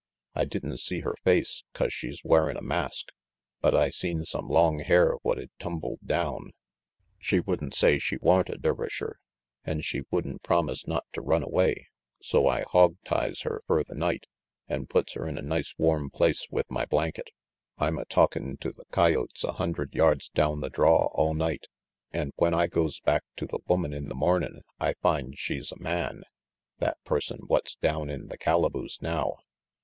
I didn't see her face, 'cause she's wearin' a mask, but I seen some long hair what'd tumbled down. She would'n say she wa'n't a Dervisher, an' she would'n promise not to run away, so I hog ties her fer the night an' puts her in a nice warm place with my blanket. I'm a talkin* to the coyotes a hundred yards down the draw all night, an* when I goes back to the woman in the mornin' I finds she's a man, that person what's down in the calaboose now."